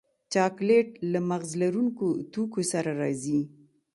چاکلېټ له مغز لرونکو توکو سره راځي.